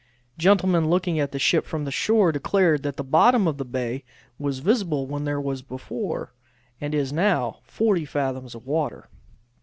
Gentlemen looking at the ship from shore declare that the bottom of the bay was visible where there was before, and is now, 40 fathoms of water.